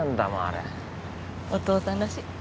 お父さんらしい。